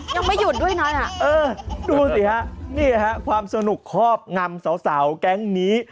ยังไม่หยุดด้วยนะเออดูสิฮะนี่ฮะความสนุกครอบงำสาวแก๊งนี้